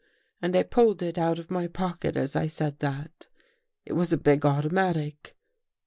And I pulled it out of my pocket as I said that. It was a big automatic."